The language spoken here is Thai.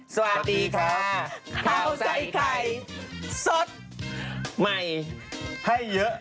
สวัสดีค่ะข้าวใส่ไข่สดใหม่ให้เยอะ